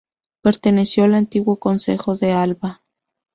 Perteneció al antiguo Concejo de Alba.